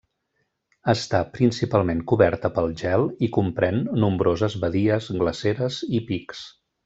Està principalment coberta pel gel i comprèn nombroses badies, glaceres i pics.